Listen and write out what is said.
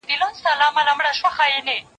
يو وار ئې زده که بيا ئې در کوزده که.